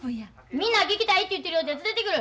みんな聞きたいって言ってるよって連れてくる。